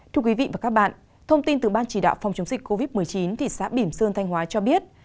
thưa quý vị và các bạn thông tin từ ban chỉ đạo phòng chống dịch covid một mươi chín thị xã bỉm sơn thanh hóa cho biết